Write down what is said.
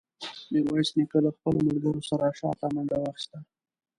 میرویس نیکه له خپلو ملګرو سره شاته منډه واخیسته.